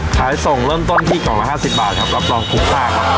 ขายส่งเริ่มต้นที่กล่องละ๕๐บาทครับรับรองคุ้มค่าครับ